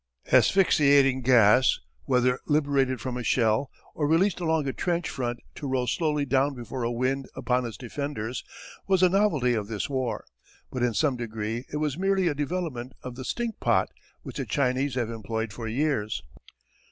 Asphyxiating gas, whether liberated from a shell, or released along a trench front to roll slowly down before a wind upon its defenders, was a novelty of this war. But in some degree it was merely a development of the "stinkpot" which the Chinese have employed for years.